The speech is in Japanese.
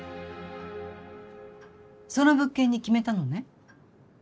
その物件に決めたのね。